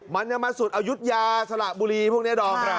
มันจะมาสุดอายุดยาสละบุรีพวกนี้บ้าง